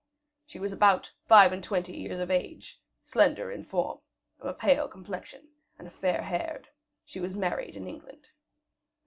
She was about five and twenty years of age, slender in form, of a pale complexion, and fair haired; she was married in England."